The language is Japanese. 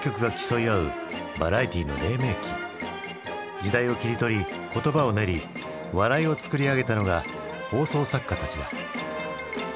時代を切り取り言葉を練り笑いを作り上げたのが放送作家たちだ。